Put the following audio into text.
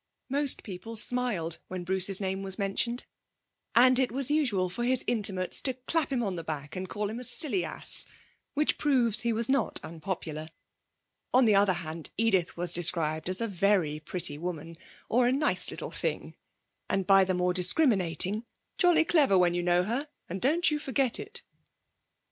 Most people smiled when Bruce's name was mentioned, and it was usual for his intimates to clap him on the back and call him a silly ass, which proves he was not unpopular. On the other hand, Edith was described as a very pretty woman, or a nice little thing, and by the more discriminating, jolly clever when you know her, and don't you forget it.